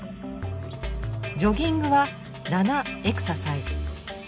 ジョギングは７エクササイズ。